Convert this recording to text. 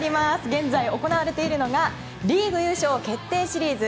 現在行われているのがリーグ優勝決定シリーズ。